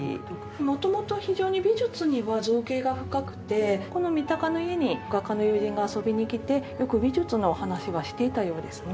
元々非常に美術には造詣が深くてこの三鷹の家に画家の友人が遊びに来てよく美術の話はしていたようですね。